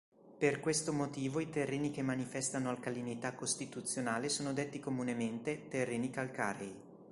Per questo motivo i terreni che manifestano alcalinità costituzionale sono detti comunemente "terreni calcarei".